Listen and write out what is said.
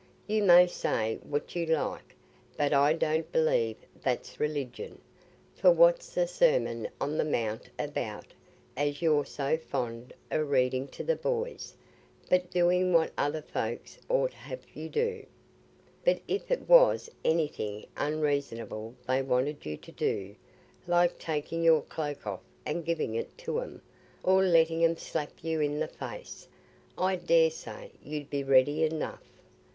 You may say what you like, but I don't believe that's religion; for what's the Sermon on the Mount about, as you're so fond o' reading to the boys, but doing what other folks 'ud have you do? But if it was anything unreasonable they wanted you to do, like taking your cloak off and giving it to 'em, or letting 'em slap you i' the face, I daresay you'd be ready enough.